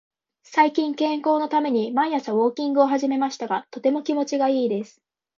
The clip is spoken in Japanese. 最近、健康のために毎朝ウォーキングを始めましたが、とても気持ちがいいです。